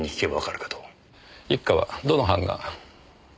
一課はどの班が？